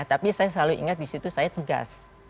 tapi saya selalu ingat di situ saya tegas